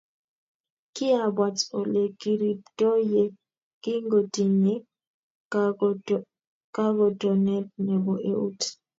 Kiabwaat ole kiriipto ye kingotinye kagotonet nebo eut.